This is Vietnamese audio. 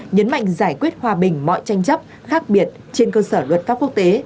nhấn mạnh giải quyết hòa bình mọi tranh chấp khác biệt trên cơ sở luật pháp quốc tế